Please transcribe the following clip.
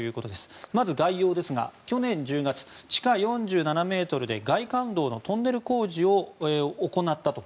まず概要ですが去年１０月、地下４７ｍで外環道のトンネル工事を行ったと。